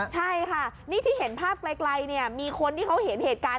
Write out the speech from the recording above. ใช่ค่ะนี่ที่เห็นภาพไกลมีคนที่เขาเห็นเหตุการณ์